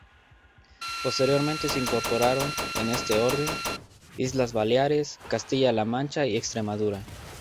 Posteriormente se incorporaron, en este orden: Islas Baleares, Castilla-La Mancha y Extremadura.